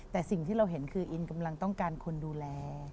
แต่สิ่งที่เราเห็นคืออินกำลังต้องการคนดูแล